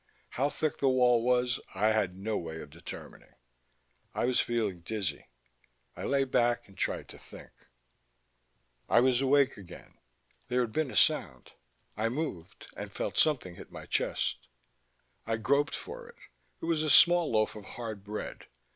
How thick the wall was I had no way of determining. I was feeling dizzy. I lay back and tried to think.... I was awake again. There had been a sound. I moved, and felt something hit my chest. I groped for it; it was a small loaf of hard bread.